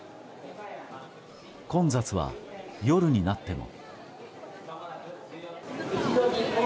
混雑は夜になっても。